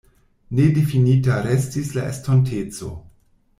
Nedifinita restis la estonteco.